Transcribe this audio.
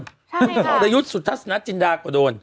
ใช่ค่ะคุณสอดอายุทธ์สุทัศนัทจินดาก็โดน